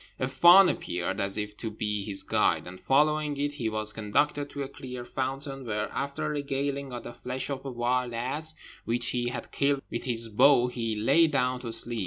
A fawn appeared, as if to be his guide; and following it, he was conducted to a clear fountain, where, after regaling on the flesh of a wild ass, which he had killed with his bow, he lay down to sleep.